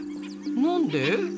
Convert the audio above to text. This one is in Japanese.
何で？